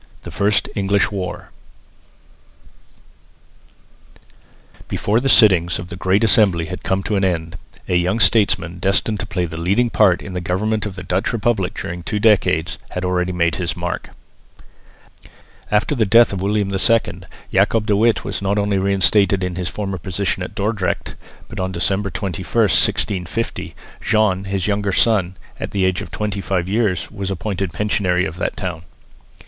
THE FIRST ENGLISH WAR Before the sittings of the Great Assembly had come to an end, a young statesman, destined to play the leading part in the government of the Dutch republic during two decades, had already made his mark. After the death of William II Jacob de Witt was not only reinstated in his former position at Dordrecht but on December 21, 1650, John, his younger son, at the age of 25 years was appointed pensionary of that town.